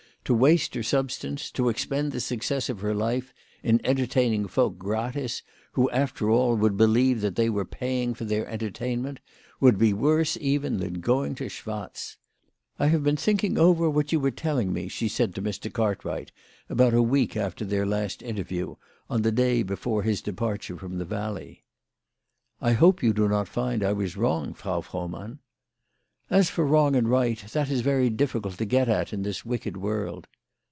To waste her substance, to expend the success of her life in entertaining folk gratis who, after all, would believe that they were paying for their entertainment, would be worse even than going to Schwatz. " I have been thinking over what you were telling me," she said to Mr. Cartwright about a week after their last interview, on the day before his departure from the valley. " I hope you do not find I was wrong, Frau Froh mann." " As for wrong and right, that is very difficult to get at in this wicked world."